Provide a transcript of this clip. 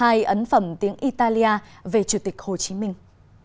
hai ấn phẩm tiếng italia về chủ tịch hồ chí minh